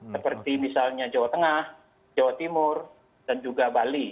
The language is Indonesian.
seperti misalnya jawa tengah jawa timur dan juga bali